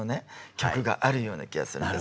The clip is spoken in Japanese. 曲があるような気がするんです。